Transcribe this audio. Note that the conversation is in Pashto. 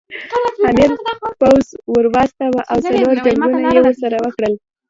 امیر پوځ ور واستاوه او څلور جنګونه یې ورسره وکړل.